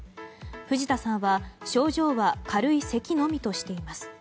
藤田さんは症状は軽いせきのみとしています。